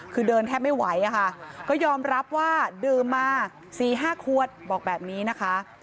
คือเดินแทบไม่ไหวค่ะก็ยอมรับว่าดื่มมา๔๕ขวดบอกแบบนี้นะคะ